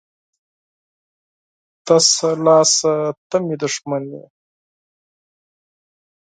ـ تشه لاسه ته مې دښمن یې.